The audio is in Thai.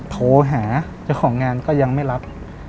โทรหาเจ้าของงานก็ยังไม่รับ